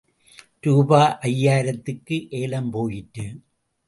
ரூபாய் ஐயாயிரத்துக்கு ஏலம் போயிற்று.